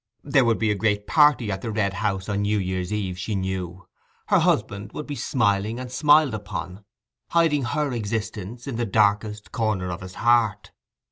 There would be a great party at the Red House on New Year's Eve, she knew: her husband would be smiling and smiled upon, hiding her existence in the darkest corner of his heart.